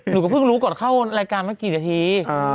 หนูก็เพิ่งรู้ก่อนเข้ารายการมากี่นาที